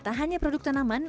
tak hanya produk tanaman